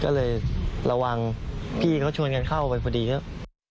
ก็เลยระวังพี่เขาชวนกันเข้าไปพอดีครับ